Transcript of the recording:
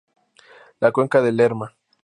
La cuenca del Lerma.